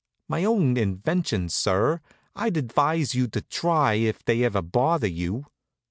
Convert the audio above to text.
"My own invention, sir. I'd advise you to try it if they ever bother you."